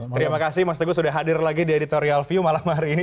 terima kasih mas teguh sudah hadir lagi di editorial view malam hari ini